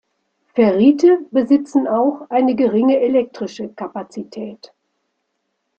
Ferrite besitzen auch eine geringe elektrische Kapazität.